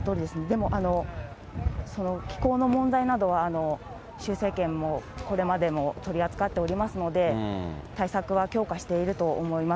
でも気候の問題など、習政権もこれまでも取り扱っておりますので、対策は強化していると思います。